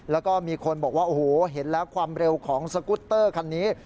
แล้วก็มีคนบอกว่าโอ้โหเห็นแล้วความเร็วของสกุตเตอร์คันนี้